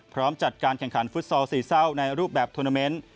พร้อมจัดการแข่งขันฟุตซอลสี่เศร้าในรูปแบบทวนาเมนต์